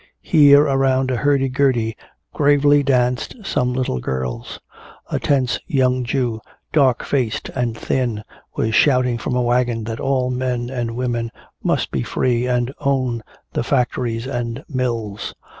Here around a hurdy gurdy gravely danced some little girls. A tense young Jew, dark faced and thin, was shouting from a wagon that all men and women must be free and own the factories and mills.